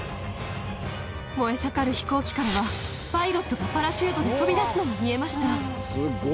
燃え盛る飛行機からはパイロットがパラシュートで飛び出すのが見えました。